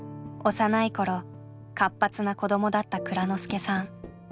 幼い頃活発な子供だった蔵之介さん。